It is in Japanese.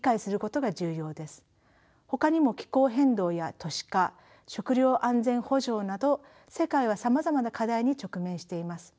ほかにも気候変動や都市化食糧安全保障など世界はさまざまな課題に直面しています。